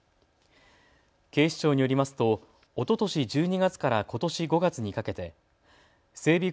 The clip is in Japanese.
警視庁によりますとおととし１２月からことし５月にかけて整備